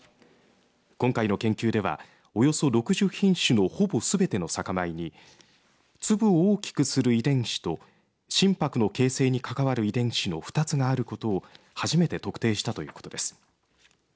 今回の研究ではおよそ６０品種のほぼすべての酒米に粒を大きくする遺伝子と心白の形成に関わる遺伝子の２つがあることを初めて特定したということです。